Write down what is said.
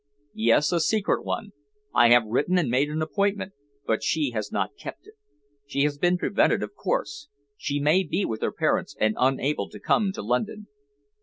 "Yes, a secret one. I have written and made an appointment, but she has not kept it. She has been prevented, of course. She may be with her parents, and unable to come to London."